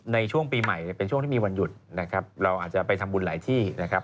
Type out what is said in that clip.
ในช่วงปีใหม่เป็นช่วงที่มีวันหยุดนะครับเราอาจจะไปทำบุญหลายที่นะครับ